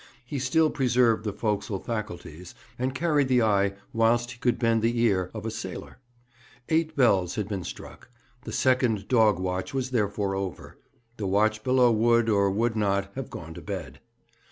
He still preserved the forecastle faculties, and carried the eye, whilst he could bend the ear, of a sailor. Eight bells had been struck. The second dog watch was therefore over. The watch below would, or would not, have gone to bed.